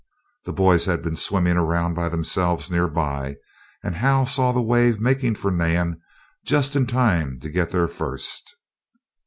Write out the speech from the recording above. The boys had been swimming around by themselves near by, and Hal saw the wave making for Nan just in time to get there first.